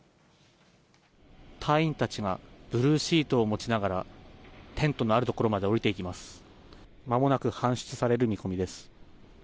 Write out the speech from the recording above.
隊員たちがブルーシートを持ちながら、テントのある所まで下りていきます。